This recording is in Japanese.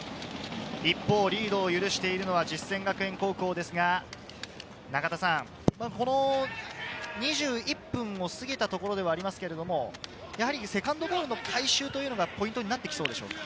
一方、リードを許しているのは実践学園高校ですが、この２１分を過ぎたところではありますけれど、やはりセカンドボールの回収というのがポイントになってきそうでしょうか？